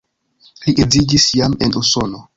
Li edziĝis jam en Usono.